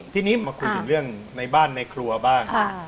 ทีนี้มาคุยถึงเรื่องในบ้านในครัวบ้าง